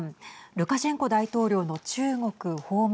ルカシェンコ大統領の中国訪問。